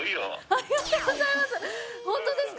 ありがとうございます！